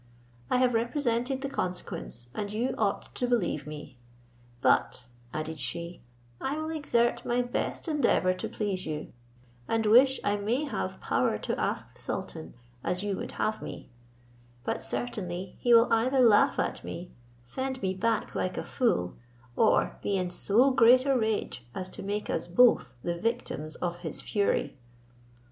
I have represented the consequence, and you ought to believe me; but," added she, "I will exert my best endeavour to please you, and wish I may have power to ask the sultan as you would have me; but certainly he will either laugh at me, send me back like a fool, or be in so great a rage, as to make us both the victims of his fury."